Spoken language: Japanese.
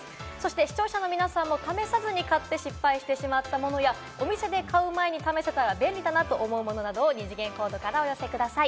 視聴者の皆さんも試さずに買って失敗したものや、お店で買うまで試せたら便利だなと思うものなど、二次元コードからお寄せください。